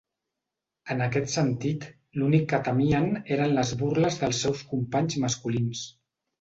En aquest sentit, l'únic que temien eren les burles dels seus companys masculins.